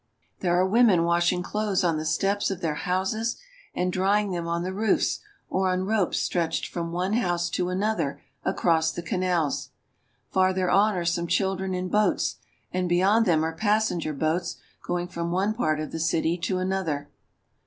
There are women washing clothes on the steps of their houses, and drying them on the roofs or on ropes stretched from one house to another across the canals. Farther on are some children in boats, and beyond them are passenger boats going from one part of the city to another.